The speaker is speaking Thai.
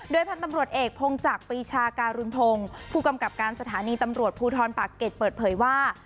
พันธุ์ตำรวจเอกพงจักรปรีชาการุณพงศ์ผู้กำกับการสถานีตำรวจภูทรปากเก็ตเปิดเผยว่า